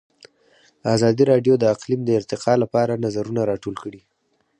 ازادي راډیو د اقلیم د ارتقا لپاره نظرونه راټول کړي.